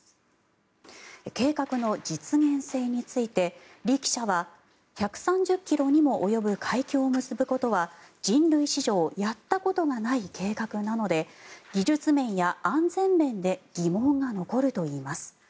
計画の実現性についてリ記者は１３０ｋｍにも及ぶ海峡を結ぶことは人類史上やったことがない計画なので技術面や安全面で疑問が残るといいます。